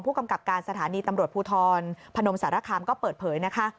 กำกับการสถานีตำรวจภูทรพนมสารคามก็เปิดเผยนะคะ